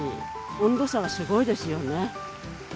温度差がすごいですよね。